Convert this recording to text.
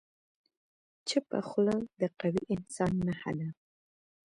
چپه خوله، د قوي انسان نښه ده.